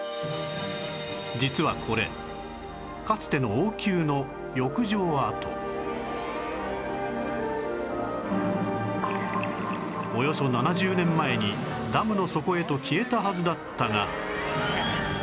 実はこれかつてのおよそ７０年前にダムの底へと消えたはずだったが